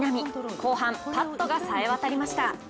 後半、パットがさえ渡りました。